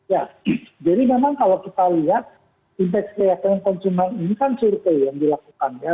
ya jadi memang kalau kita lihat indeks keyakinan konsumen ini kan survei yang dilakukan ya